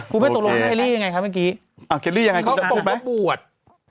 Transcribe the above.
พูดไปตกโรครับเฮรี่ยังไงครับเมื่อกี้มันตกไหนครับเขาตกว่าบวช